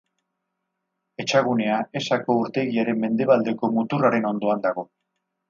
Etxagunea, Esako urtegiaren mendebaldeko muturraren ondoan dago.